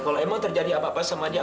nggak ada dewi